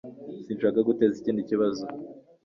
Sinshaka guteza ikindi kibazo